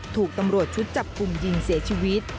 ถูกตำรวจชุดจับกลุ่มยิงเสียชีวิต